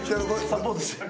サポートして。